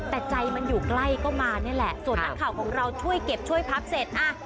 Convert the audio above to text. แต่ใจมันอยู่ใกล้ก็มานี่แหละส่วนนักข่าวของเราช่วยเก็บช่วยพับเสร็จอ่ะ